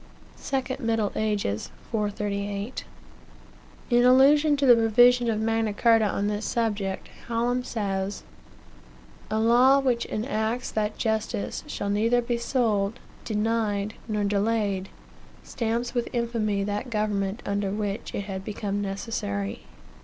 2 Middle Ages, 438. In allusion to the provision of Magna Carta on this subject, Hallam says: "A law which enacts that justice shall neither be sold, denied, nor delayed, stamps with infamy that government under which it had become necessary."